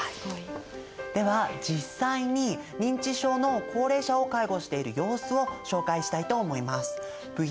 では実際に認知症の高齢者を介護している様子を紹介したいと思います。